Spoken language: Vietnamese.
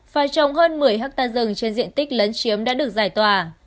và trong hơn một mươi ha rừng trên diện tích lấn chiếm đã được giải tỏa